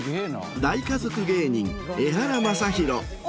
大家族芸人エハラマサヒロ。